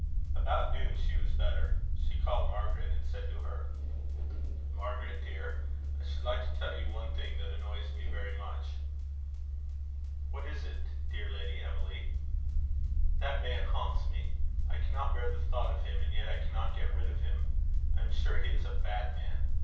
About noon she was better. She called Margaret and said to her: "Margaret, dear, I should like to tell you one thing that annoys me very much." "What is it, dear Lady Emily?" "That man haunts me. I cannot bear the thought of him; and yet I cannot get rid of him. I am sure he is a bad man.